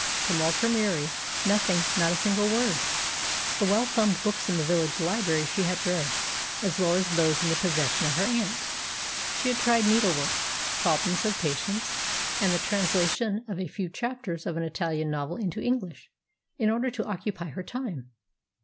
From Walter Murie nothing not a single word. The well thumbed books in the village library she had read, as well as those in the possession of her aunt. She had tried needlework, problems of patience, and the translation of a few chapters of an Italian novel into English in order to occupy her time.